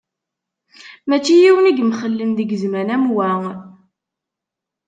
Mačči yiwen i imxellen deg zzman am wa.